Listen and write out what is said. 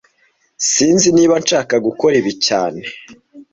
Sinzi niba nshaka gukora ibi cyane